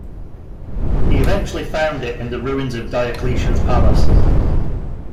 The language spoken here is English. He eventually found it in the ruins of Diocletian's Palace.